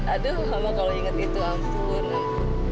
aduh mama kalau inget itu ampun